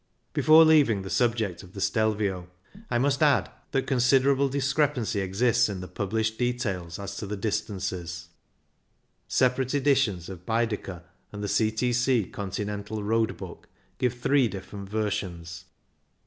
Before leaving the subject of the Stelvio, I must add that considerable discrepancy 40 CYCLING IN THE ALPS exists in the published details as to the distances. Separate editions of Baedeker and the C.T.C. Continental Road Book give three different versions.